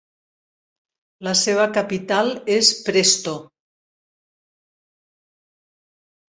La seva capital és Presto.